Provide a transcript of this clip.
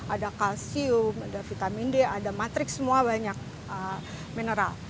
ada kalsium ada vitamin d ada matrik semua banyak mineral